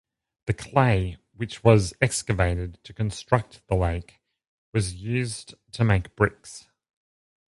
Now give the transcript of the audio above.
The clay which was excavated to construct the lake was used to make bricks.